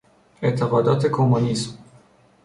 اعتقادات کمونیسم